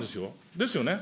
ですよね。